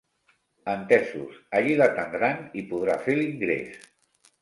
Entesos, allí l'atendran i podrà fer l'ingrés.